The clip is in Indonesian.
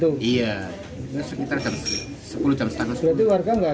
ternyata tersangka berusaha melarikan diri